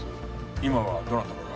今はどなたかが？